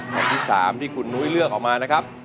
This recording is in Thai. แผ่นที่๓ที่คุณนุ้ยเลือกออกมานะครับ